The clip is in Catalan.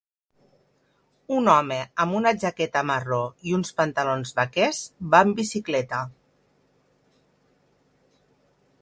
Un home amb una jaqueta marró i uns pantalons vaquers va amb bicicleta.